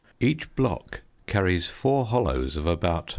Each block carries four hollows of about